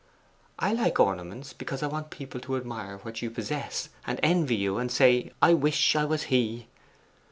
'I like ornaments, because I want people to admire what you possess, and envy you, and say, "I wish I was he."